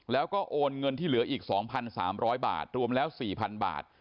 แล้วก็โอนเงินที่เหลืออีก๒๓๐๐บาทรวมแล้ว๔๐๐๐บาท